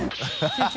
ハハハ